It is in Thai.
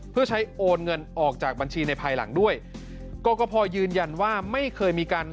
เพื่อใช้โอนเงินออกจากบัญชีในภายหลังด้วยกรกภยืนยันว่าไม่เคยมีการ